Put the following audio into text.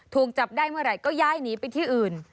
ถูกจับได้เมื่อไหร่ก็ย้ายหนีไปที่อื่น